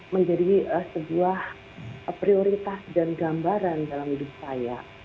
menjadi sebuah prioritas dan gambaran dalam hidup saya